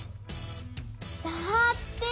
だって！